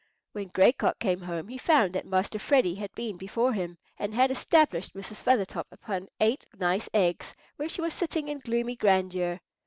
When Gray Cock came home, he found that Master Freddy had been before him, and had established Mrs. Feathertop upon eight nice eggs, where she was sitting in gloomy grandeur.